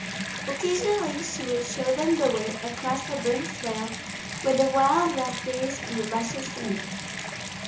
Occasionally she would show them the way across the burnt swale, where the wild raspberries grew luscious and red.